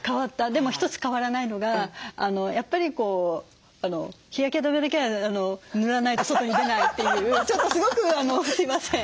でも一つ変わらないのがやっぱり日焼け止めだけは塗らないと外に出ないっていうちょっとすごくすいません。